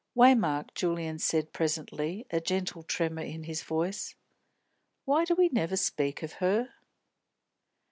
"Waymark," Julian said presently, a gentle tremor in his voice, "why do we never speak of her?"